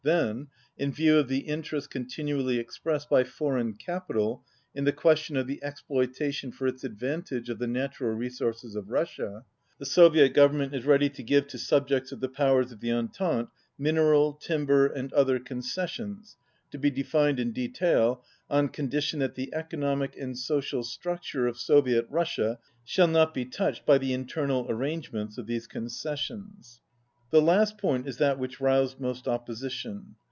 Then, "in view of the interest continually expressed by foreign capital in the question of the exploitation for its advantage of the natural resources of Russia, the Soviet Government is ready to give to subjects of the powers of the Entente mineral, timber and other concessions, to be defined in detail, on con dition that the economic and social structure of Soviet Russia shall not be touched by the internal arrangements of these concessions." The last point is that Which roused most opposition.